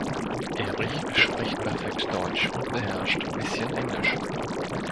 Erich spricht perfekt Deutsch und beherrscht bisschen Englisch.